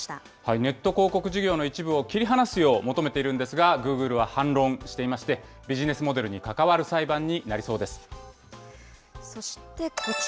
ネット広告事業の一部を切り離すよう求めているんですが、グーグルは反論していまして、ビジネスモデルに関わる裁判になりそそして、こちら。